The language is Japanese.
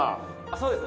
そうです。